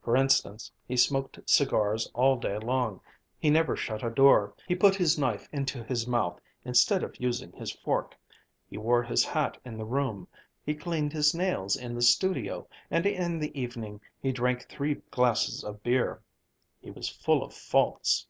For instance, he smoked cigars all day long; he never shut a door; he put his knife into his mouth, instead of using his fork; he wore his hat in the room; he cleaned his nails in the studio, and in the evening he drank three glasses of beer. He was full of faults!